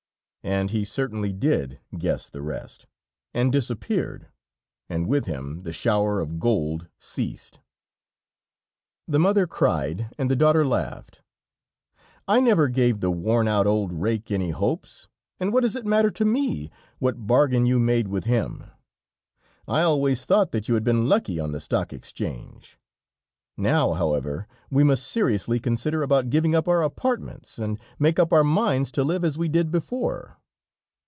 And he certainly did guess the rest, and disappeared, and with him the shower of gold ceased. The mother cried and the daughter laughed. "I never gave the worn out old rake any hopes, and what does it matter to me, what bargain you made with him? I always thought that you had been lucky on the Stock Exchange. Now, however, we must seriously consider about giving up our apartments, and make up our minds to live as we did before."